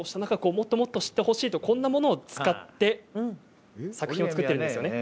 もっともっと知ってほしいとこんなものを使って作品を作っているんですよね。